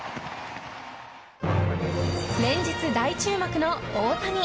連日、大注目の大谷。